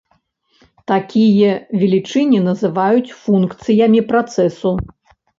Такія велічыні называюць функцыямі працэсу.